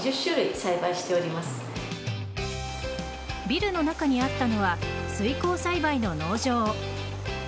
ビルの中にあったのは水耕栽培の農場。